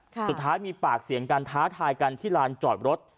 สุดท้ายมีปากเสียงกันท้าทายกันที่ลานจอดรถ